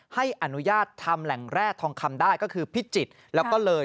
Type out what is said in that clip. ให้อนุญาตทำแหล่งแร่ทองคำได้ก็คือพิจิตรแล้วก็เลย